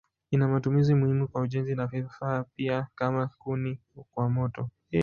Ina matumizi muhimu kwa ujenzi na vifaa pia kama kuni kwa moto.